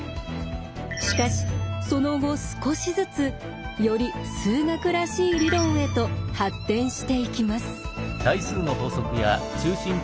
しかしその後少しずつより数学らしい理論へと発展していきます。